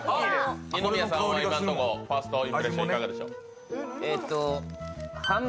二宮さんはファーストインプレッションはいかがでしょう。